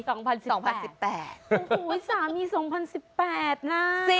โอ้โหสามี๒๐๑๘นะ